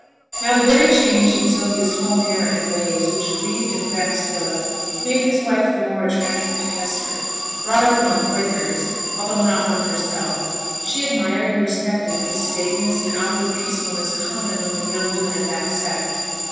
Now the very change in Sylvia's whole manner and ways, which grieved and vexed Philip, made his wife the more attractive to Hester. Brought up among Quakers, although not one herself, she admired and respected the staidness and outward peacefulness common amongst the young women of that sect.